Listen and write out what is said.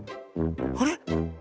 あれ？